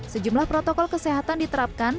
sejumlah protokol kesehatan diterapkan